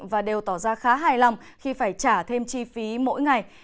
và đều tỏ ra khá hài lòng khi phải trả thêm chi phí mỗi ngày